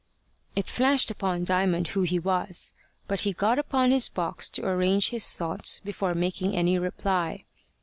It flashed upon Diamond who he was. But he got upon his box to arrange his thoughts before making any reply.